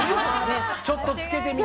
ちょっと付けてみたい。